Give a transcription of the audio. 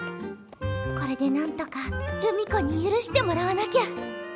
これでなんとか留美子に許してもらわなきゃ。